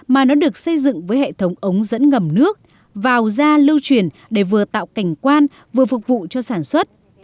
mà nó được xây dựng với hệ thống ống dẫn ngầm nước vào ra lưu truyền để vừa tạo cảnh quan vừa phục vụ cho sản xuất